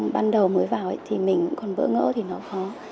ban đầu mới vào thì mình còn vỡ ngỡ thì nó khó